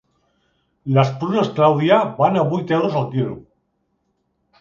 Les prunes clàudia van a vuit euros el quilo.